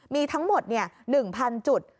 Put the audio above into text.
มีทั้งหมดเนี่ย๑๐๐๐จุด